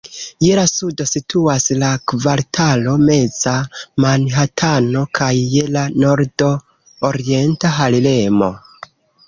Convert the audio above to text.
Je la sudo situas la kvartalo Meza Manhatano kaj je la nordo Orienta Harlemo.